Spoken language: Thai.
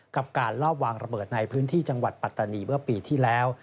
กับการลอบวางระเบิดในพื้นที่จังหวัดปัตตานีเมื่อปีที่แล้ว